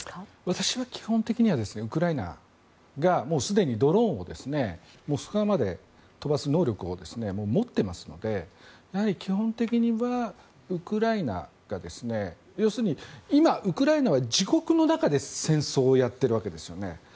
私は基本的にはウクライナがすでにドローンをモスクワまで飛ばす能力をもう持っていますのでやはり基本的にはウクライナが要するに今、ウクライナは自国の中で戦争をやっているわけですよね。